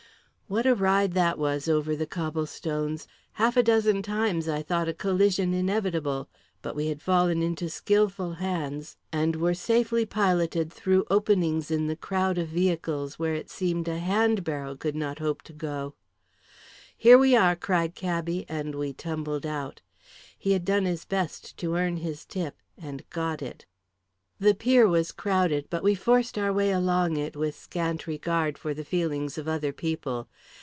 What a ride that was over the cobble stones! Half a dozen times I thought a collision inevitable, but we had fallen into skilful hands, and were safely piloted through openings in the crowd of vehicles where it seemed a hand barrow could not hope to go. "Here we are!" cried cabby, and we tumbled out. He had done his best to earn his tip, and got it. The pier was crowded, but we forced our way along it with scant regard for the feelings of other people.